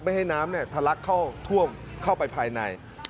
ไม่ให้น้ำทะลักเข้าท่วมเข้าไปภายใน